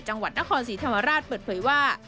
จังหวัดนครศรีธรรมราชเปิดเผยว่า